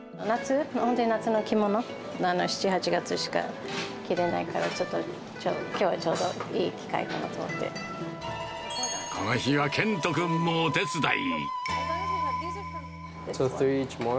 夏の着物、７、８月しか着れないから、ちょっと、きょう、ちょうどいい機会かなとこの日は賢斗君もお手伝い。